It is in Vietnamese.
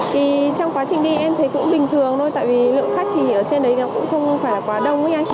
thì trong quá trình đi em thấy cũng bình thường thôi tại vì lượng khách thì ở trên đấy nó cũng không phải là quá đông ấy anh